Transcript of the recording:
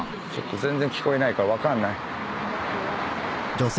全然聞こえないから分かんない。